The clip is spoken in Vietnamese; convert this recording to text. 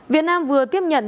việt nam vừa tiếp nhận